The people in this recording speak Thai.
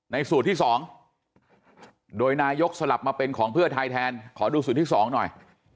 สูตรที่๒โดยนายกสลับมาเป็นของเพื่อไทยแทนขอดูสูตรที่๒หน่อย